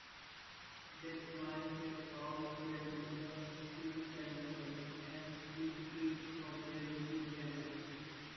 They climbed a tall crane without securing themselves and filmed it for their YouTube channel.